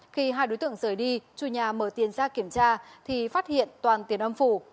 khi hai đối tượng rời đi chủ nhà mở tiền ra kiểm tra thì phát hiện toàn tiền om phủ